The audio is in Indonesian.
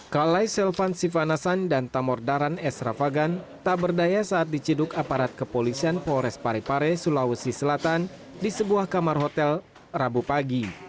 kalai selvan sivanasan dan tamordaran s rafagan tak berdaya saat diciduk aparat kepolisian polres parepare sulawesi selatan di sebuah kamar hotel rabu pagi